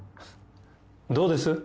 どうです？